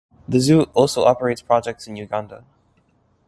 The zoo also operates projects in Uganda.